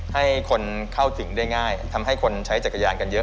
ให้คนเข้าถึงได้ง่ายทำให้คนใช้จักรยานกันเยอะ